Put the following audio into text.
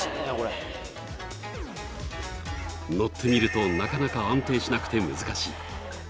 乗ってみるとなかなか安定しなくて難しい。